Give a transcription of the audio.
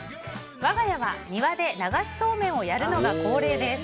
我が家は庭で流しそうめんをやるのが恒例です。